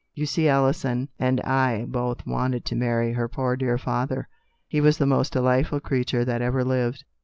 You see Alison and I both wanted to marry her poor dear father. He was the most delightful creature that ever lived."